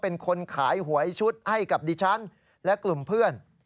เป็นคนขายหวยชุดให้กับดิฉันและกลุ่มเพื่อน